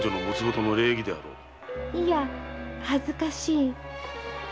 いや恥ずかしい。